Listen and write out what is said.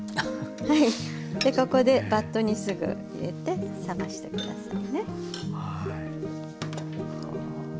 でここでバットにすぐ入れて冷まして下さいね。